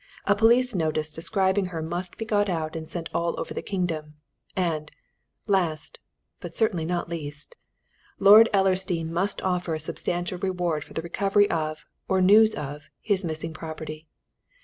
A police notice describing her must be got out and sent all over the kingdom. And last, but certainly not least Lord Ellersdeane must offer a substantial reward for the recovery of, or news of, his missing property.